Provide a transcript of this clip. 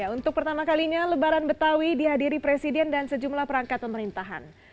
untuk pertama kalinya lebaran betawi dihadiri presiden dan sejumlah perangkat pemerintahan